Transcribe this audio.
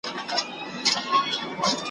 او د کلماتو ښکلا او پر ځای استعمال ,